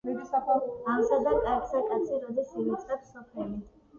ავსა და კარგსა კაცი როდის ივიწყებს სოფელი